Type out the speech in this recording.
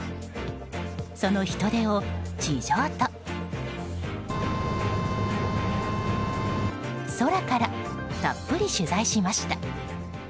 その人出を地上と空から、たっぷり取材しました。